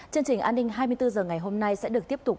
chương trình an ninh hai mươi bốn h ngày hôm nay sẽ được tiếp tục